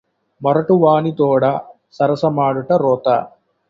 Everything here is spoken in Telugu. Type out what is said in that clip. మొరటువానితోడ సరసమాడుట రోత